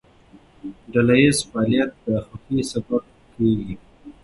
ډلهییز فعالیت د خوښۍ سبب کېږي.